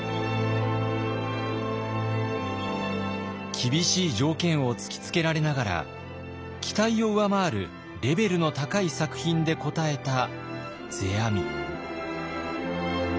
厳しい条件を突きつけられながら期待を上回るレベルの高い作品で応えた世阿弥。